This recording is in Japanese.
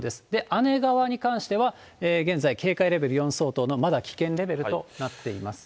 姉川に関しては、現在、警戒レベル４相当のまだ危険レベルとなっています。